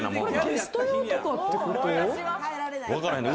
ゲスト用とかってこと？